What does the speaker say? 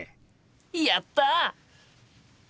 やった！